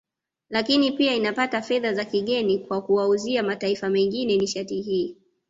Lakini pia inapata fedha za kigeni kwa kuwauzia mataifa mengine nishati hii